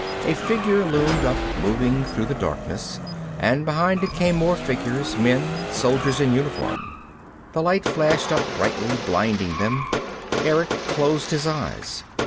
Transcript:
A figure loomed up, moving through the darkness, and behind it came more figures, men, soldiers in uniform. The light flashed up brightly, blinding them. Erick closed his eyes.